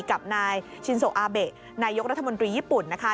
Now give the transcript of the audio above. กับนายชินโซอาเบะนายกรัฐมนตรีญี่ปุ่นนะคะ